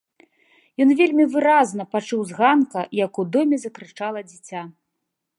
Ён вельмі выразна пачуў з ганка, як у доме закрычала дзіця.